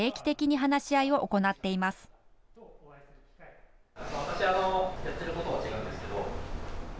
私あの、やってることは違うんですけど。